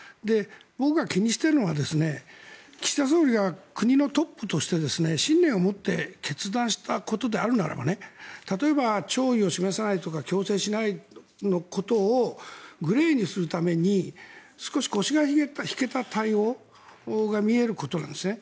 僕が気にしているのは岸田総理が国のトップとして信念を持って決断したことであるなら例えば、弔意を示さないとか強制しないことをグレーにするために少し腰が引けた対応が見えることなんですね。